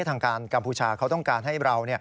ทางการกัมพูชาเขาต้องการให้เรา